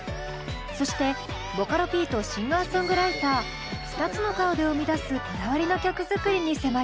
そしてボカロＰとシンガーソングライター２つの顔で生み出すこだわりの曲作りに迫ります。